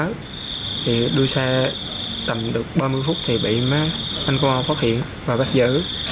thì đua xe tầm được ba mươi phút thì bị má anh công an phát hiện và bắt giữ